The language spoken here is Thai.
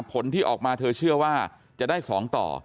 ผลที่ออกมาเธอเชื่อว่าจะได้๒ต่อ